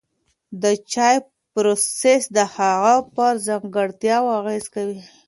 د چای پروسس د هغه پر ځانګړتیاوو اغېز کوي.